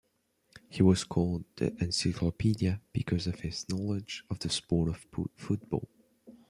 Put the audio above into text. He was called "The Encyclopedia" because of his knowledge of the sport of football.